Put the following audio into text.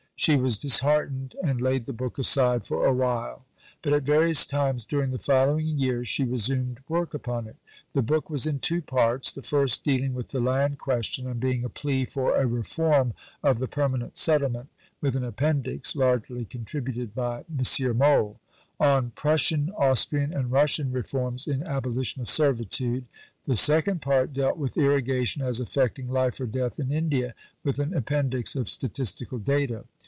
She was disheartened, and laid the book aside for a while; but at various times during the following years she resumed work upon it. The book was in two Parts, the first dealing with the Land Question, and being a plea for a reform of the Permanent Settlement, with an appendix (largely contributed by M. Mohl) "On Prussian, Austrian, and Russian Reforms in Abolition of Servitude." The second Part dealt with Irrigation as affecting Life or Death in India, with an appendix of statistical data.